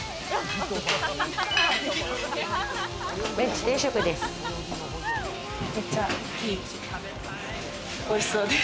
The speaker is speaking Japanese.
メンチ定食です。